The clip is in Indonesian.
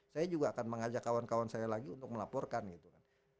saya juga akan mengajak kawan kawan saya lagi untuk melaporkan gitu kan